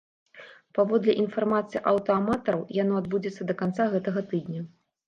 Паводле інфармацыі аўтааматараў, яно адбудзецца да канца гэтага тыдня.